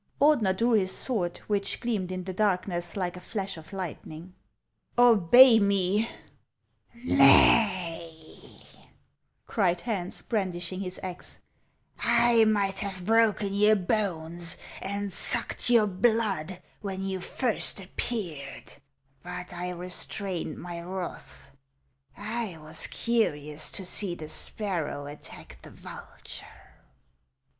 Ordener drew his sword, which gleamed in the darkness like a flash of lightning. 1IAXS OF ICELAND. 325 " Obey nie !"" Xay," cried Hans, brandishing his axe ;" I miglit have broken your bones and sucked your blood when you first appeared, but I restrained my wrath ; I was curious to see the sparrow attack the vulture."